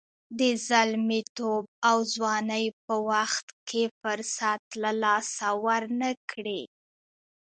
د زلمیتوب او ځوانۍ په وخت کې فرصت له لاسه ورنه کړئ.